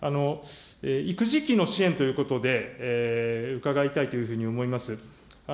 育児期の支援ということで、伺いたいというふうに思います。